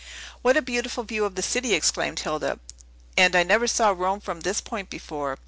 "What a beautiful view of the city!" exclaimed Hilda; "and I never saw Rome from this point before."